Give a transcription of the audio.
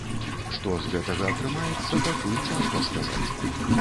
Што з гэтага атрымаецца, пакуль цяжка сказаць.